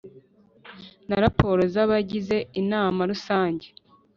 na raporo z abagize Inama rusange